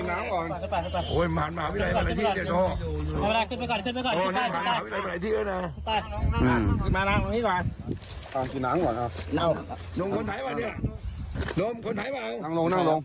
น้ำกินน้ำก่อนน้ำกินน้ำก่อนน้ำกินน้ำก่อนน้ำกินน้ำก่อน